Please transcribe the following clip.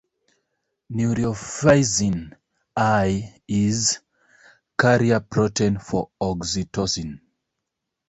Neurophysin I is carrier protein for oxytocin.